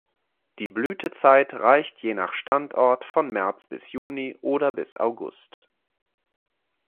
Die Blütezeit reicht je nach Standort von März bis Juni oder bis August.